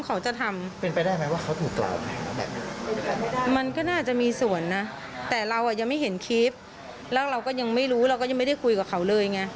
คือเราก็ยังไม่ได้คุยกับเขาเลยไง